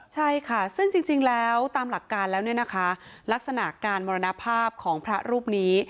ใช่ค่ะซึ่งจริงแล้วตามหลักการแล้วเนี่ยนะคะลักษณะการมรณภาพของพระรูปนี้